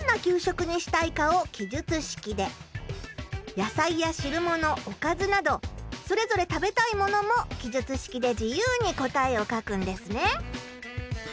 野菜や汁ものおかずなどそれぞれ食べたいものも記述式で自由に答えを書くんですね。